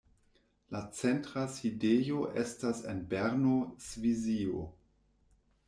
La centra sidejo estas en Berno, Svisio.